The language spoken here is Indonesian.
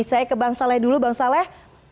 saya ke bang saleh dulu bang saleh